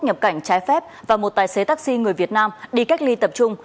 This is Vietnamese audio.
nhập cảnh trái phép và một tài xế taxi người việt nam đi cách ly tập trung